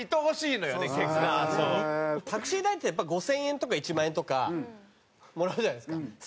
タクシー代ってやっぱ５０００円とか１万円とかもらうじゃないですか。